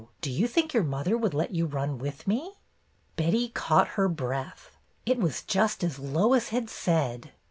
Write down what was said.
Do you think your mother would let you run with me ?" Betty caught her breath. It was just as Lois had said